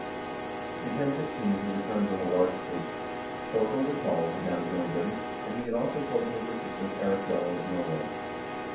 In 1015 he returned with a large fleet. Thorkel the Tall had now joined him, and he had also called to his assistance Eirik Jarl of Norway.